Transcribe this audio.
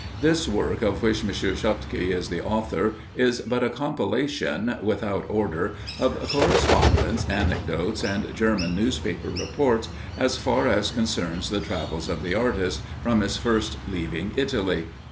This work, of which M. Schottky is the author, is but a compilation, without order, of correspondence, anecdotes, and German newspaper reports, as far as concerns the travels of the artist, from his first leaving Italy.